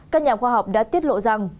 các nhà khoa học đã tiết lộ rằng